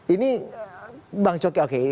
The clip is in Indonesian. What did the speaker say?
ini bang jokowi oke